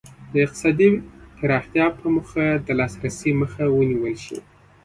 د اقتصادي پراختیا په موخه د لاسرسي مخه ونیول شي.